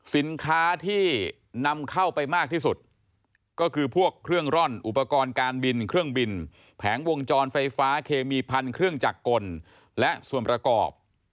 สินค้าที่นำเข้ามามากที่สุดก็คือพวกเครื่องร่อนอุปกรณ์การบินเครื่องบินแผงวงจรไฟฟ้าเคมีพันธุ์เครื่องจักรกลและส่วนประกอบ